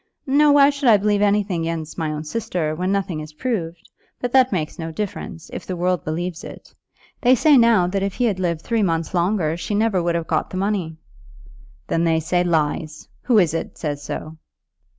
No; why should I believe anything against my own sister when nothing is proved. But that makes no difference, if the world believes it. They say now that if he had lived three months longer she never would have got the money." "Then they say lies. Who is it says so?